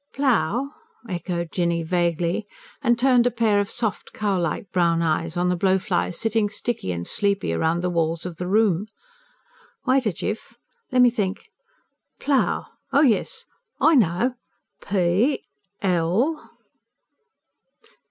"Plough?" echoed Jinny vaguely, and turned a pair of soft, cow like brown eyes on the blowflies sitting sticky and sleepy round the walls of the room. "Wait a jiff ... lemme think! Plough? Oh, yes, I know. P l...."